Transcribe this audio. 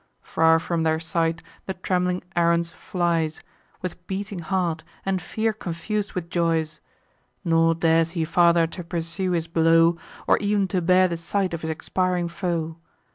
Far from their sight the trembling Aruns flies, With beating heart, and fear confus'd with joys; Nor dares he farther to pursue his blow, Or ev'n to bear the sight of his expiring foe.